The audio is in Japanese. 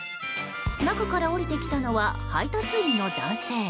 中から降りてきたのは配達員の男性。